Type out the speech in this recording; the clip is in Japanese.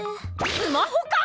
スマホか！